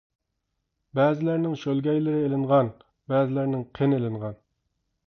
بەزىلەرنىڭ شۆلگەيلىرى ئېلىنغان، بەزىلەرنىڭ قېنى ئېلىنغان.